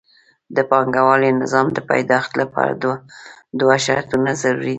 د پانګوالي نظام د پیدایښت لپاره دوه شرطونه ضروري دي